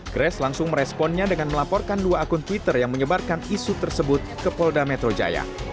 grace langsung meresponnya dengan melaporkan dua akun twitter yang menyebarkan isu tersebut ke polda metro jaya